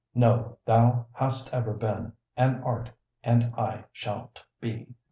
No! thou hast ever been, and art, and aye shalt be.